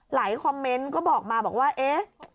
คอมเมนต์ก็บอกมาบอกว่าเอ๊ะ